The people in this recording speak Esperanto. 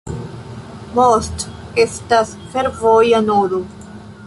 Most estas fervoja nodo.